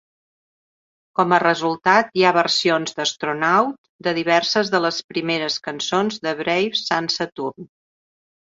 Com a resultat, hi ha versions d'Astronaut de diverses de les primeres cançons de Brave Sant Saturn.